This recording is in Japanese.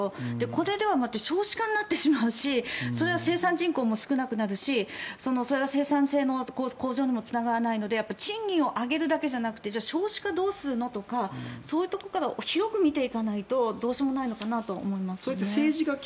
これでは少子化になってしまうし生産人口も少なくなるしそれは生産性の向上にもつながらないので賃金を上げるだけじゃなくて少子化どうするのとかそういうところから広く見ていかないとどうしようもないと思います。